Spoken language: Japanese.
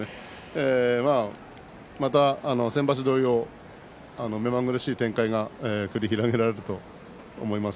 また先場所同様目まぐるしい展開が繰り広げられると思います。